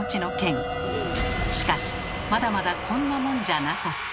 しかしまだまだこんなもんじゃなかった。